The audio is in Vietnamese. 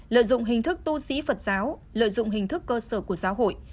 lợi dụng hình thức tu sĩ phật giáo lợi dụng hình thức cơ sở của giáo hội